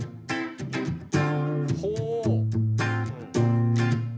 ほう。